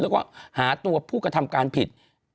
แล้วก็หาตัวผู้กระทำการผิด